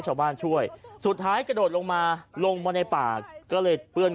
ชาวบ้านช่วยสุดท้ายกระโดดลงมาลงบนในป่าก็เลยเปืื่อน